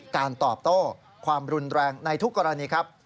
การตอบโต้ความรุนแรงในทุกกรณีครับ